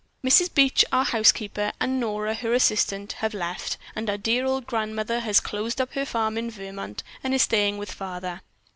"Mrs. Beach, our housekeeper, and Nora, her assistant, have left, and our dear old grandmother has closed up her farm in Vermont and is staying with father.